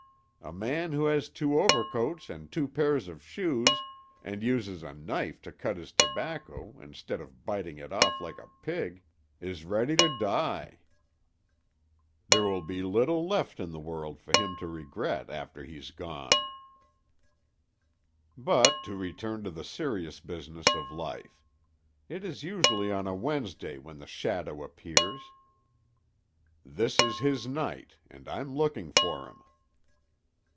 A man who has two overcoats and two pairs of shoes, and uses a knife to cut his tobacco, instead of biting it off like a pig, is ready to die; there will be little left in the world for him to regret after he's gone, but to return to the serious business of life: it is usually on a Wednesday when the shadow appears. This is his night, and I'm looking for him."